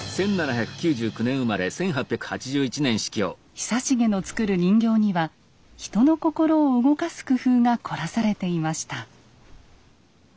久重の作る人形には人の心を動かす工夫が凝らされていました。